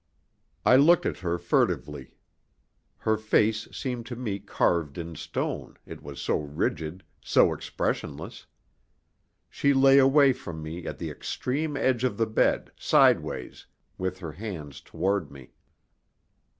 I looked at her furtively. Her face seemed to me carved in stone, it was so rigid, so expressionless. She lay away from me at the extreme edge of the bed, sideways, with her hands toward me.